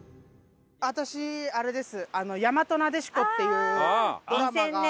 私あれです。